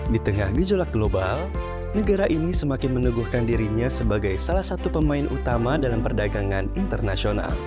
di tengah gejolak global negara ini semakin meneguhkan dirinya sebagai salah satu pemain utama dalam perdagangan internasional